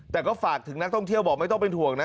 แต่ก็ฝากถึงนักท่องเที่ยวบอกไม่ต้องเป็นห่วงนะ